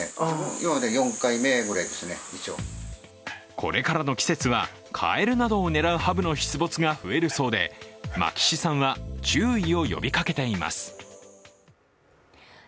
これからの季節は、かえるなどを狙うハブの出没が増えるそうで眞喜志さんは注意を呼びかけています。